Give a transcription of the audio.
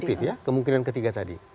positif ya kemungkinan ketiga tadi